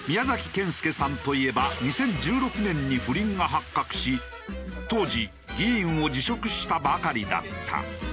謙介さんといえば２０１６年に不倫が発覚し当時議員を辞職したばかりだった。